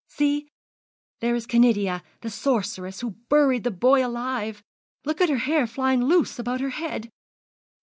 See, there is Canidia, the sorceress, who buried the boy alive! Look at her hair flying loose about her head!